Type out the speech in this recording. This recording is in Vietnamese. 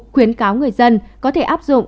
khuyến cáo người dân có thể áp dụng